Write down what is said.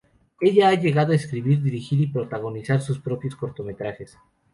Ella ha llegado a escribir, dirigir y protagonizar sus propios cortometrajes.